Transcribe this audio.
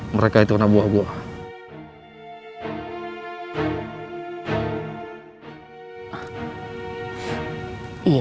mereka itu anak buah buahan